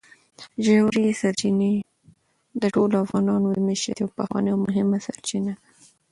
ژورې سرچینې د ټولو افغانانو د معیشت یوه پخوانۍ او مهمه سرچینه ده.